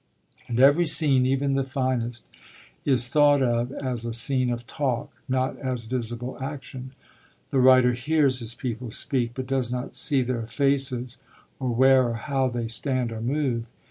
And every scene, even the finest, is thought of as a scene of talk, not as visible action; the writer hears his people speak, but does not see their faces or where or how they stand or move.